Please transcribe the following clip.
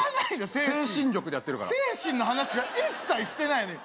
精神力でやってるから精神の話は一切してないのよ